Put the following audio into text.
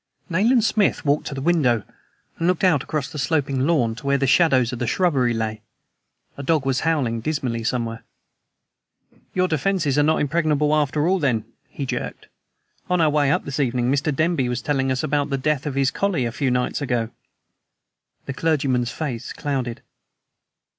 Nayland Smith walked to a window, and looked out across the sloping lawn to where the shadows of the shrubbery lay. A dog was howling dismally somewhere. "Your defenses are not impregnable, after all, then?" he jerked. "On our way up this evening Mr. Denby was telling us about the death of his collie a few nights ago." The clergyman's face clouded.